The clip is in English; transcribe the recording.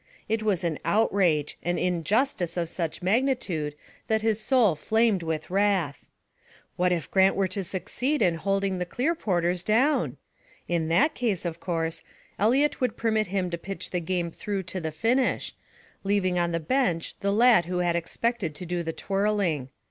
It was an outrage, an injustice of such magnitude that his soul flamed with wrath. What if Grant were to succeed in holding the Clearporters down? In that case, of course, Eliot would permit him to pitch the game through to the finish, leaving on the bench the lad who had expected to do the twirling.